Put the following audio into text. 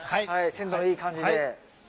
鮮度いい感じで。